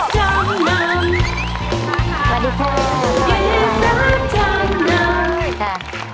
สวัสดีคุณค่ะ